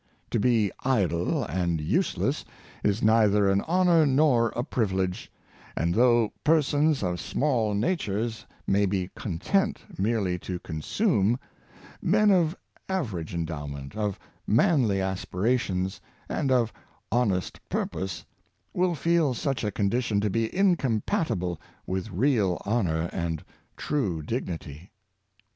To be idle and useless is neither an honor nor a privilege; and though persons of small natures may be content merely to consume — men of average Work a Universal Duty, 151 endowment, ot manly aspirations, and of honest pur pose, will feel such a condition to be incompatible with real honor and true dignity.